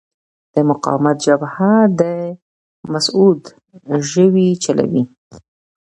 د مقاومت جبهه د مسعود ژوی چلوي.